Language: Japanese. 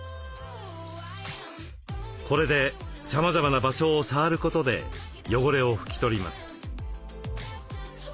これでさまざまな場所を触ることで汚れを拭き取ります。